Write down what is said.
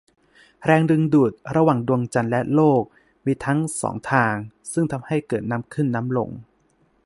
แรงดึงดูดระหว่างดวงจันทร์และโลกมีทั้งสองทางซึ่งทำให้เกิดน้ำขึ้นน้ำลง